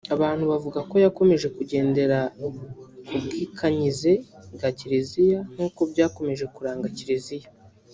Abantu bavuga ko yakomeje kugendera ku bwikanyize bwa Kiliziya nk’uko byakomeje kuranga Kiliziya